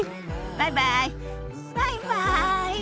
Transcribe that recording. バイバイ。